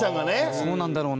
そうなんだろうな。